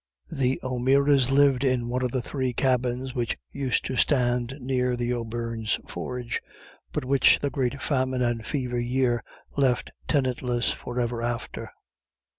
The O'Mearas lived in one of the three cabins which used to stand near the O'Beirne's forge, but which the great Famine and Fever year left tenantless for ever after.